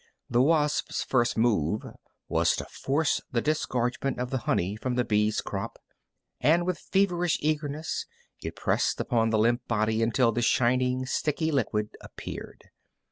The wasp's first move was to force the disgorgement of the honey from the bee's crop, and with feverish eagerness it pressed upon the limp body until the shining, sticky liquid appeared.